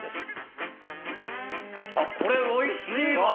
これ、おいしいわ。